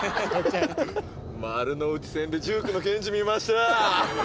「丸の内線で１９のケンジ見ましたぁ」。